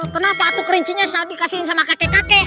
kenapa atuh klincinya saya dikasihin sama kakek kakek